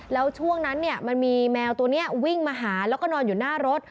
แล้วช่วงนั้นเนี่ยมันมีแมวตัวนี้วิ่งมาหาแล้วก็นอนอยู่หน้ารถ